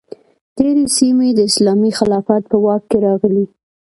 ډیرې سیمې د اسلامي خلافت په واک کې راغلې.